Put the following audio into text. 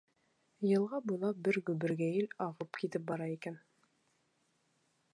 Йылға буйлап бер гөбөргәйел ағып китеп бара икән.